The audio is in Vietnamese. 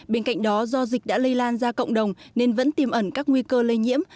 bên cạnh đó do dịch đã lây lan ra cộng đồng nên vẫn tìm ẩn các nguy cơ lây nhiễm